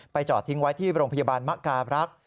จอดทิ้งไว้ที่โรงพยาบาลมะกาบรักษ์